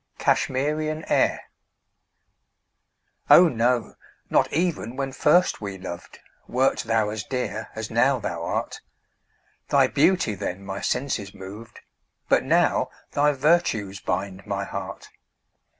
(CASHMERIAN AIR.) Oh, no not even when first we loved, Wert thou as dear as now thou art; Thy beauty then my senses moved, But now thy virtues bind my heart.